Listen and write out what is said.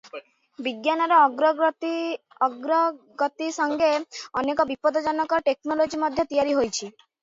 ବିଜ୍ଞାନର ଅଗ୍ରଗତି ସଙ୍ଗେ ଅନେକ ବିପଦଜନକ ଟେକନୋଲୋଜି ମଧ୍ୟ ତିଆରି ହୋଇଛି ।